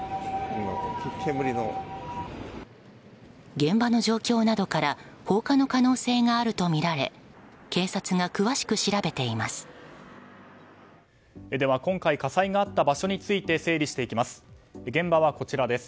現場の状況などから放火の可能性があるとみられ警察が詳しく調べています。